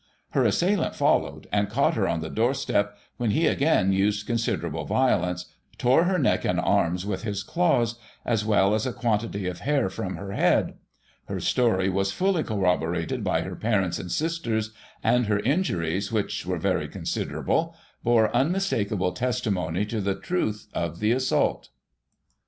Her assailant followed, and caught her on the doorstep, when he again used considerable violence, tore her neck and arms with his claws, as well as a quantity of hair from her head ; her story was fully corroborated by her parents and sisters, and her injuries, which were very considerable, bore unmistakable testimony to the truth of the assault.